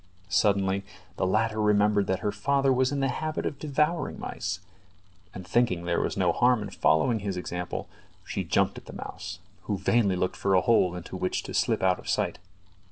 Suddenly the latter remembered that her father was in the habit of devouring mice, and thinking there was no harm in following his example, she jumped at the mouse, who vainly looked for a hole into which to slip out of sight.